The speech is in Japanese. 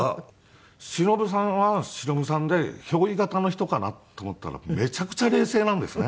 しのぶさんはしのぶさんで憑依型の人かなと思ったらめちゃくちゃ冷静なんですね。